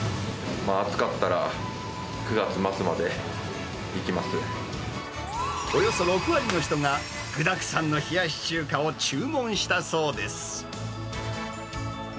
暑かったら、およそ６割の人が、具だくさんの冷やし中華を注文したそうです。